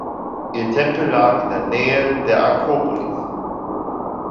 Ihr Tempel lag in der Nähe der Akropolis.